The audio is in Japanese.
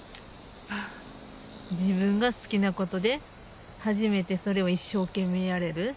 自分が好きなことで始めてそれを一生懸命やれる。